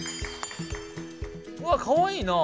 うわかわいいなあ。